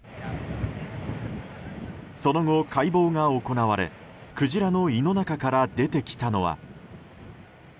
その後、解剖が行われクジラの胃の中から出てきたのは。